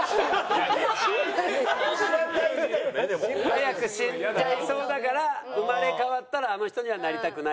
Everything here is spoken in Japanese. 早く死んじゃいそうだから生まれ変わったらあの人にはなりたくない。